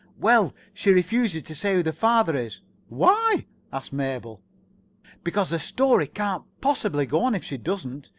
"Well, she refuses to say who the father is." "Why?" asked Mabel. "Because the story can't possibly go on if she doesn't.